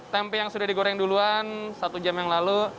tempe yang sudah digoreng duluan satu jam yang lalu